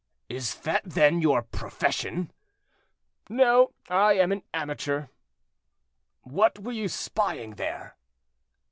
"Is that, then, your profession?" "No, I am an amateur." "What were you spying there?"